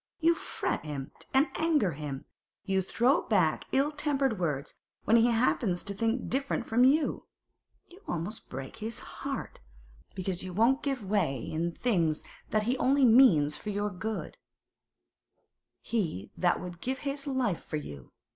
You fret him and anger him; you throw him back ill tempered words when he happens to think different from you; you almost break his heart, because you won't give way in things that he only means for your good—he that would give his life for you!